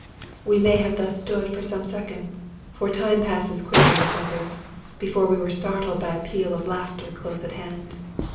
We may have thus stood for some seconds — for time passes quickly with lovers — ^before we were startled by a peal of laughter close at hand.